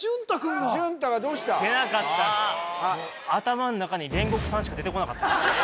もう頭の中に煉獄さんしか出てこなかったっす